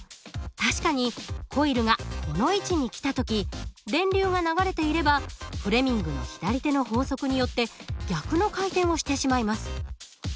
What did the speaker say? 確かにコイルがこの位置に来た時電流が流れていればフレミングの左手の法則によって逆の回転をしてしまいます。